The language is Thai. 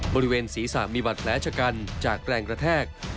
บริเวณศรีสามมีบัตรแพลชกันจากแรงกระแทก